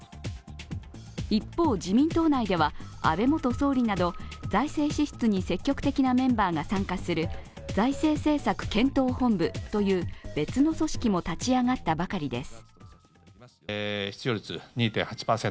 一方、自民党内では安部元総理など財政支出に積極的なメンバーが参加する財政政策検討本部という別の組織も立ち上がったばかりです。